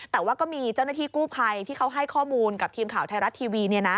แต่ว่าก็มีเจ้าหน้าที่กู้ภัยที่เขาให้ข้อมูลกับทีมข่าวไทยรัฐทีวี